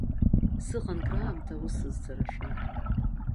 Сыҟан краамҭа ус сызцарашәа.